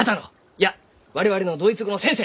いや我々のドイツ語の先生！